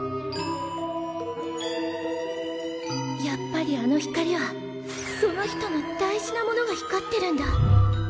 やっぱりあの光はその人の大事なものが光ってるんだ。